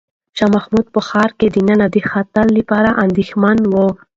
شاه محمود په ښار کې دننه د خطر لپاره اندېښمن و.